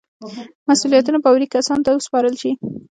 مسئولیتونه باوري کسانو ته وسپارل شي.